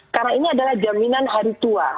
karena ini adalah jaminan hari tua